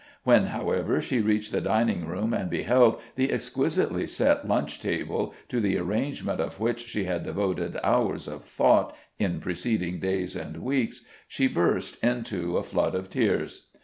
When, however, she reached the dining room and beheld the exquisitely set lunch table, to the arrangement of which she had devoted hours of thought in preceding days and weeks, she burst into a flood of tears.